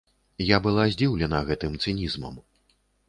Я была здзіўлена гэтым цынізмам.